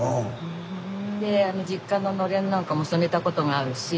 で実家ののれんなんかも染めたことがあるし。